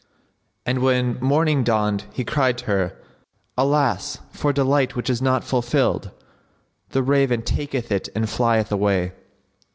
And when morning dawned he cried to her, "Alas for delight which is not fulfilled! The raven[FN#66] taketh it and flieth away!"